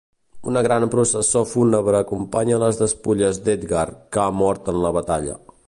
Una gran processó fúnebre acompanya les despulles d'Edgar, que ha mort en la batalla.